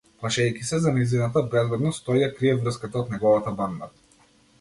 Плашејќи се за нејзината безбедност, тој ја крие врската од неговата банда.